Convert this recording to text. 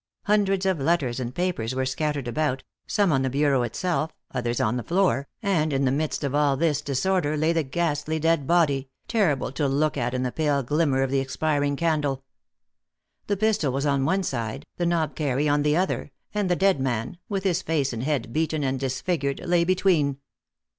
Hundreds of letters and papers were scattered about, some on the bureau itself, others on the floor, and in the midst of all this disorder lay the ghastly dead body, terrible to look at in the pale glimmer of the expiring candle. The pistol was on one side, the knobkerrie on the other, and the dead man, with his face and head beaten and disfigured, lay between."